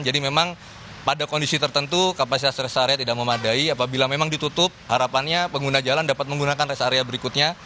jadi memang pada kondisi tertentu kapasitas rest area tidak memadai apabila memang ditutup harapannya pengguna jalan dapat menggunakan rest area berikutnya